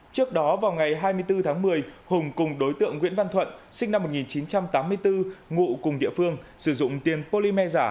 trước đó vào ngày hai mươi bốn tháng một mươi hùng cùng đối tượng nguyễn văn thuận sinh năm một nghìn chín trăm tám mươi bốn ngụ cùng địa phương sử dụng tiền polymer giả